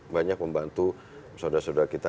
banyak membantu saudara saudara kita